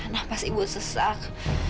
napas ibu sesak